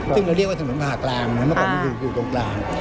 ซึ่งเราเรียกว่าถนนผ่ากลางนะเมื่อก่อนมันอยู่ตรงกลาง